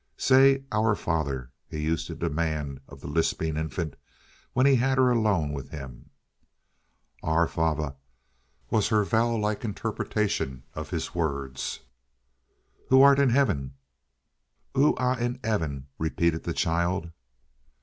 "Say 'Our Father,'" he used to demand of the lisping infant when he had her alone with him. "Ow Fowvaw," was her vowel like interpretation of his words. "'Who art in heaven.'" "'Ooh ah in aven,'" repeated the child.